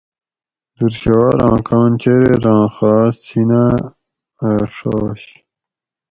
دُر شھوار آں کان چریراں خاص سیناۤ اۤ ڛاش